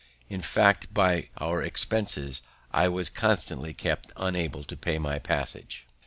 In fact, by our expenses, I was constantly kept unable to pay my passage.